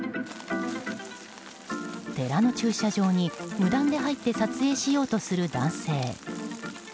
寺の駐車場に無断で入って撮影しようとする男性。